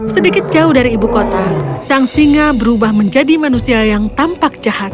sedikit jauh dari ibu kota sang singa berubah menjadi manusia yang tampak jahat